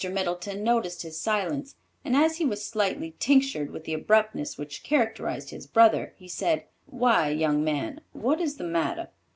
Middleton noticed his silence, and as he was slightly tinctured with the abruptness which characterized his brother, he said, "Why, young man, what is the matter?